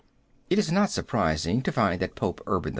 It is not surprising to find that Pope Urban IV.